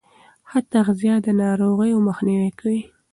ښه تغذیه د ناروغیو مخنیوی کوي.